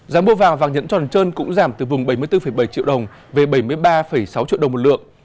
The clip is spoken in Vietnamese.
giá mua vào vàng nhẫn tròn trơn cũng giảm từ vùng bảy mươi bốn bảy triệu đồng về bảy mươi ba sáu triệu đồng một lượng